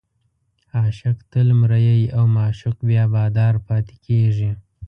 عاشق تل مریی او معشوق بیا بادار پاتې کېږي.